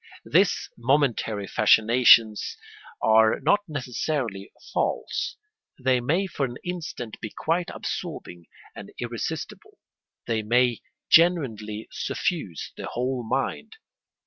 These momentary fascinations are not necessarily false: they may for an instant be quite absorbing and irresistible; they may genuinely suffuse the whole mind.